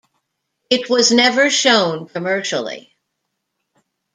It was never shown commercially.